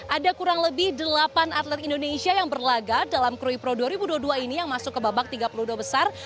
ada kurang lebih delapan atlet indonesia yang berlaga dalam krui pro dua ribu dua puluh dua ini yang masuk ke babak tiga puluh dua besar